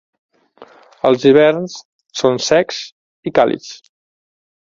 Els hiverns són secs i càlids.